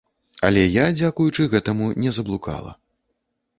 Але я, дзякуючы гэтаму, не заблукала.